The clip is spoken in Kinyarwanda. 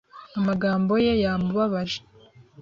Amagambo ye yamubabaje.